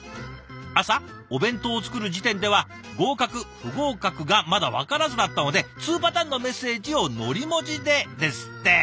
朝お弁当を作る時点では合格不合格がまだ分からずだったので２パターンのメッセージをのり文字でですって。